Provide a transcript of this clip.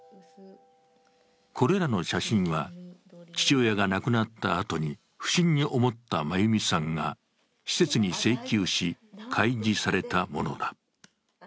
これらの写真は、父親が亡くなったあとに不審に思った眞優美さんが施設に請求し、開示されたものだ。